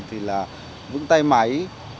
thì là vững tay máy